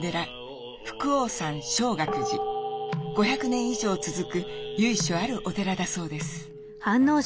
５００年以上続く由緒あるお寺だそうです。